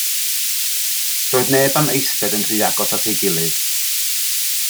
Doedd neb am eistedd yn rhy agos at ei gilydd.